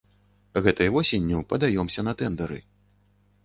Гэтай восенню падаёмся на тэндары.